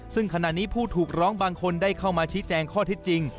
ซึ่งขณะนี้ผู้ถูกร้องบางคนได้เข้ามาชี้แจงข้อเท็จจริง